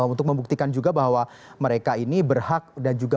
untuk membuktikan juga bahwa mereka ini berhak dan juga